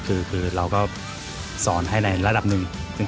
คือเราก็สอนให้ในระดับหนึ่ง